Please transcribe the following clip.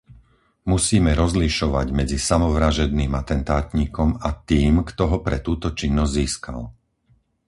Musíme rozlišovať medzi samovražedným atentátnikom a tým, kto ho pre túto činnosť získal.